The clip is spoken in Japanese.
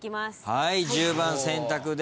はい１０番選択です。